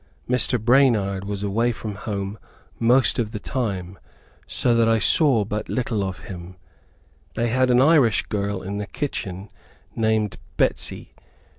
Mr. Branard was away from home most of the time, so that I saw but little of him. They had an Irish girl in the kitchen, named Betsy.